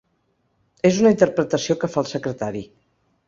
És una interpretació que fa el secretari.